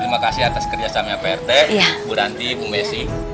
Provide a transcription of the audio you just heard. terima kasih atas kerjasama pak rete bu ranti bu messi